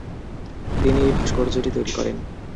তিনি এই ভাস্কর্যটি তৈরি করেন।